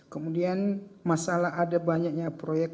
kemudian masalah ada banyaknya